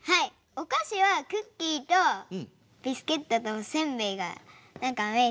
お菓子はクッキーとビスケットとおせんべいがメイすきなんですよ。